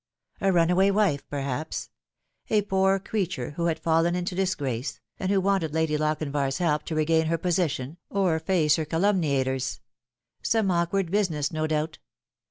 A runaway wife, perhaps ; a poor creature who had fallen into disgrace, and who wanted Lady Lochinvar's help to regain her position, or face her calumniators. Some awkward business, no doubt.